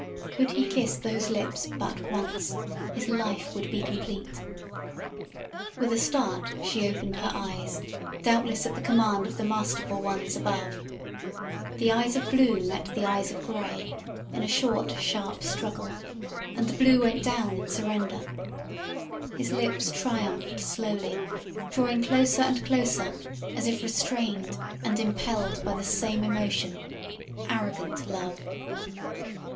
Could he kiss those lips but once his life would be complete. With a start she opened her eyes, doubtless at the command of the masterful ones above. The eyes of blue met the eyes of gray in a short, sharp struggle, and the blue went down in surrender. His lips triumphed slowly, drawing closer and closer as if restrained and impelled by the same emotion arrogant love.